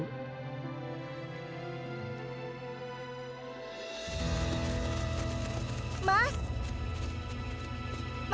aku sudah berhenti